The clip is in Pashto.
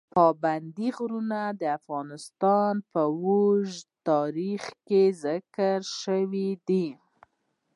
پابندي غرونه د افغانستان په اوږده تاریخ کې ذکر شوي دي.